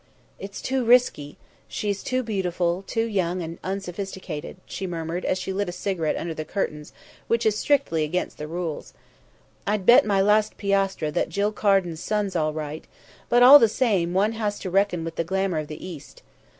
"It's too risky! She's too beautiful, too young and unsophisticated," she murmured as she lit a cigarette under the curtains, which is strictly against the rules. "I'd bet my last piastre that Jill Carden's son's all right, but, all the same, one has to reckon with the glamour of the East.